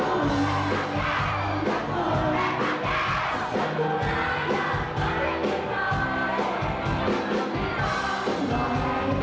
เห็นกันแล้ว